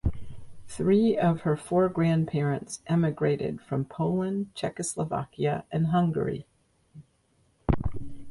Three of her four grandparents emigrated from Poland, Czechoslovakia, and Hungary.